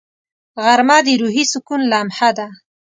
غرمه د روحي سکون لمحه ده